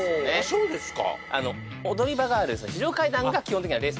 そうですか